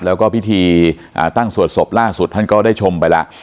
แล้วก็พิธีตั้งสวดศพล่าสุดท่านก็ได้ชมไปแล้ว